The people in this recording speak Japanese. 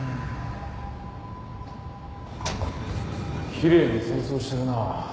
奇麗に清掃してるな。